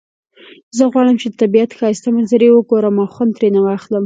زه غواړم چې د طبیعت ښایسته منظری وګورم او خوند ترینه واخلم